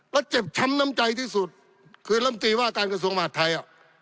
แล้วเจ็บช้ำน้ำใจที่สุดคือลำตีว่าการกระทรวงมหาดไทย